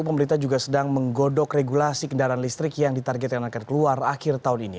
pemerintah juga sedang menggodok regulasi kendaraan listrik yang ditargetkan akan keluar akhir tahun ini